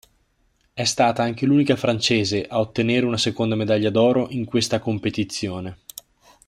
È stata anche l'unica francese a ottenere una seconda medaglia d'oro in questa competizione.